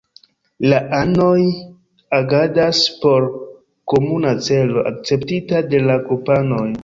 La anoj agadas por komuna celo, akceptita de la grupanoj.